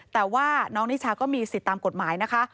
แต่ว่าน้องนิชาก็มีสิทธิ์ตามกฎหมายนะคะ